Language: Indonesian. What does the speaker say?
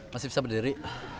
masih bisa berdiri